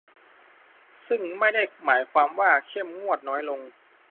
ซึ่งไม่ได้หมายความว่าเข้มงวดน้อยลง